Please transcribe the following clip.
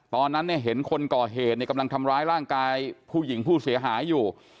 ตอนนั้นเนี่ยเห็นคนก่อเหตุกำลังทำร้ายร่างกายผู้หญิงผู้เสียหายอยู่